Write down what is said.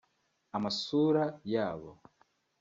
amasura yabo